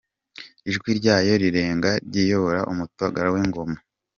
Ijwi ryayo rirenga riyobora umutagara w’ingoma :.